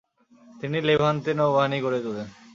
তিনি লেভান্টে নৌবাহিনী গড়ে তোলেন।